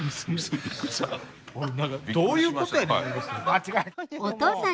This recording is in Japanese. どういうことやねん！